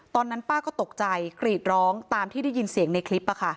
ตอนนั้นป้าก็ตกใจกรีดร้องตามที่ได้ยินเสียงในคลิป